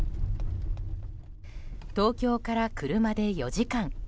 東京から車で４時間。